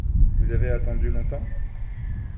Vous avez attendu longtemps ?